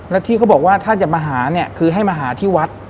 แล้วที่เขาบอกว่าถ้าจะมาหาเนี่ยคือให้มาหาที่วัด